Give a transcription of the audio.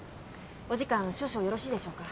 お時間少々よろしいでしょうか？